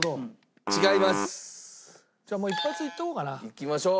いきましょう！